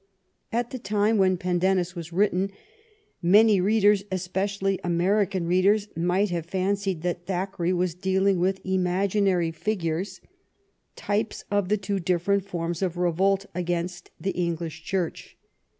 At the time when " Pendennis " was written, many readers, especially American readers, might have fancied that Thackeray was dealing with imaginary figures, types of the two different forms of revolt against the English Church.